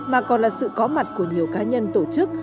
mà còn là sự có mặt của nhiều cá nhân tổ chức